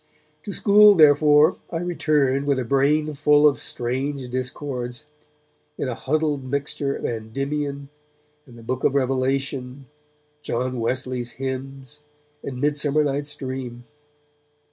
To school, therefore, I returned with a brain full of strange discords, in a huddled mixture of 'Endymion' and the Book of Revelation, John Wesley's hymns and 'Midsummer Night's Dream'.